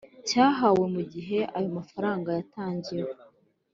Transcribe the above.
cyahawe mu gihe ayo mafaranga yatangiwe